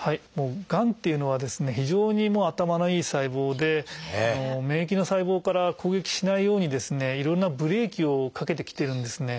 がんというのは非常に頭のいい細胞で免疫の細胞から攻撃しないようにいろんなブレーキをかけてきてるんですね。